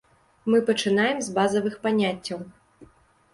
Мы пачынаем з базавых паняццяў.